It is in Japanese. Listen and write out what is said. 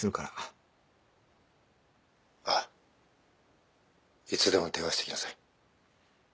ああいつでも電話してきなさい。